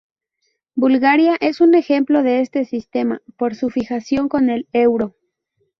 Bulgaria es un ejemplo de este sistema, por su fijación con el euro.